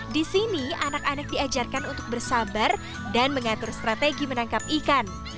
di sini anak anak diajarkan untuk bersabar dan mengatur strategi menangkap ikan